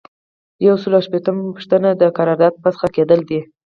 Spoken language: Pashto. یو سل او شپږمه پوښتنه د قرارداد فسخه کیدل دي.